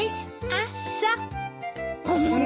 あっそ。